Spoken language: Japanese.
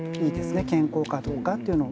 健康かどうかっていうのを。